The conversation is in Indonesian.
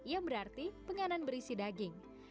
yang berarti penganan berisi daging